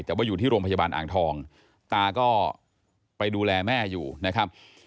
แต่ว่าอยู่ที่โรงพยาบาลอ่างทองตาก็ไปดูแลแม่อยู่นะครับ